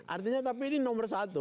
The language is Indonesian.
artinya tapi ini nomor satu